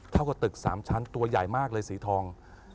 เท่ากับตึก๓ชั้นตัวใหญ่มากเลยสีทอง